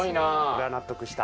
これは納得した。